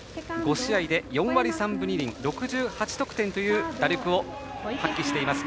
５試合で４割３分２厘６８得点という打力を発揮しています